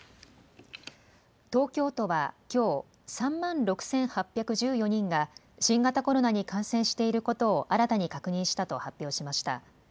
東京都はきょう、３万６８１４人が、新型コロナに感染していることを新たに確認したと発表しました。